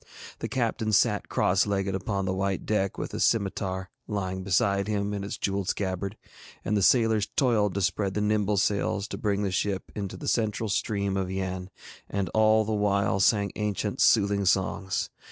The captain sate cross legged upon the white deck with his scimitar lying beside him in its jewelled scabbard, and the sailors toiled to spread the nimble sails to bring the ship into the central stream of Yann, and all the while sang ancient soothing songs.